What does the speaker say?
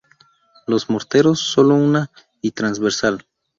Los morteros, solo una y transversal.